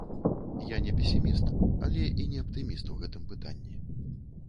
Я не песіміст, але і не аптыміст у гэтым пытанні.